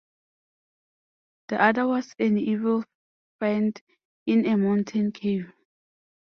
The other was an evil fiend in a mountain cave.